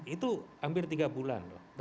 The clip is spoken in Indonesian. itu hampir tiga bulan